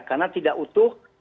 karena tidak utuh